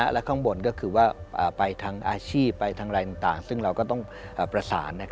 และข้างบนก็คือว่าไปทางอาชีพไปทางอะไรต่างซึ่งเราก็ต้องประสาน